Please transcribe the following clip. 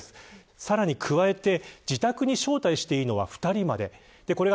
さらに加えて、自宅に招待していいのは２人まで。